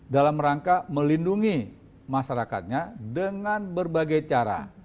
dalam rangka melindungi masyarakatnya dengan berbagai cara